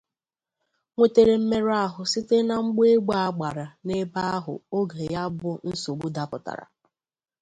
nwetere mmerụahụ site na mgbọ égbè a gbara n'ebe ahụ oge ya bụ nsogbu dapụtara